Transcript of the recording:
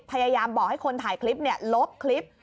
พยายามบอกให้คนถ่ายคลิปลบคลิป